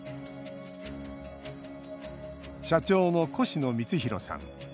社長の越野充博さん。